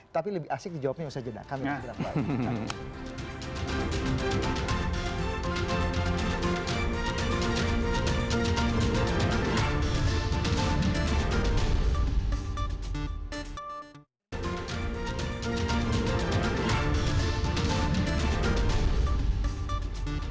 tapi lebih asik jawabnya bisa jenak kami lihat